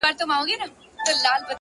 ژور انسان ژور اغېز پرېږدي!